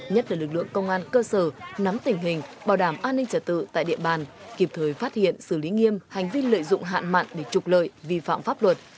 nhất là lực lượng công an cơ sở nắm tình hình bảo đảm an ninh trả tự tại địa bàn kịp thời phát hiện xử lý nghiêm hành vi lợi dụng hạn mặn để trục lợi vi phạm pháp luật